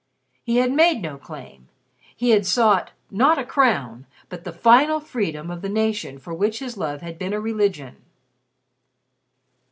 He had made no claim, he had sought not a crown but the final freedom of the nation for which his love had been a religion.